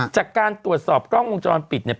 จากการตรวจสอบกล้องวงจรปิดเนี่ย